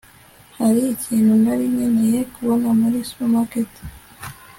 Hari ikintu nari nkeneye kubona muri supermarket